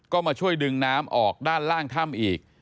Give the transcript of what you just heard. ก็มาช่วยดึงน้ำออกด้านล่างถ้ำอีก